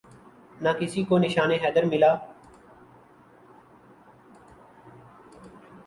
نہ کسی کو نشان حیدر ملا